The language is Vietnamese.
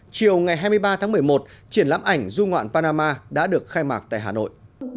chiều ngày hai mươi ba tháng một mươi một triển lãm ảnh du ngoạn panama đã được khai mạc tại hà nội